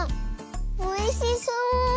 おいしそう！